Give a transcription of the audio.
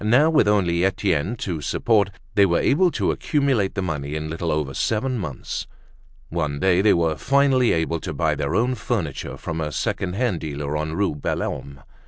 Now, with only Etienne to support, they were able to accumulate the money in a little over seven months. One day they were finally able to buy their own furniture from a second hand dealer on Rue Belhomme.